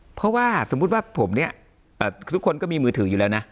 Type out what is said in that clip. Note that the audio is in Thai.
เพราะว่าสมมุติว่าผมเนี่ยทุกคนก็มีมือถืออยู่แล้วนะ